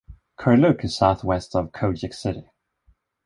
Karluk is southwest of Kodiak City.